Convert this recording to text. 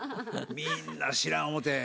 みんな知らん思て。